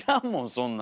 そんな。